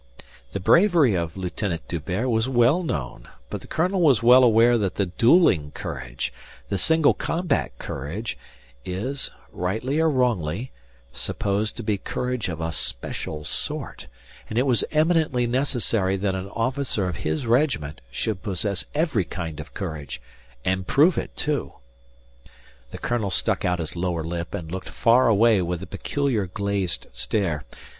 The bravery of Lieutenant D'Hubert was well known; but the colonel was well aware that the duelling courage, the single combat courage, is, rightly or wrongly, supposed to be courage of a special sort; and it was eminently necessary that an officer of his regiment should possess every kind of courage and prove it, too. The colonel stuck out his lower lip and looked far away with a peculiar glazed stare.